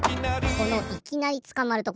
このいきなりつかまるところ。